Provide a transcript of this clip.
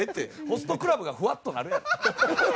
ホストクラブがフワッとなるやん。